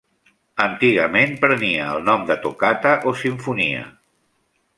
Antigament prenia el nom de tocata o simfonia.